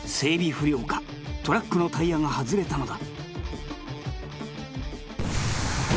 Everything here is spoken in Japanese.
不良かトラックのタイヤが外れたのだ